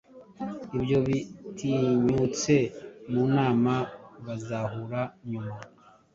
Ibyo bitinyutse mu nama bazahura nyuma